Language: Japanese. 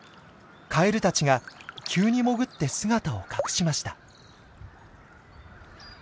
カエルたちが急に潜って姿を隠しました。